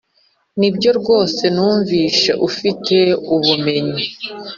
nibyo rwose numvishe ufite ubumenyi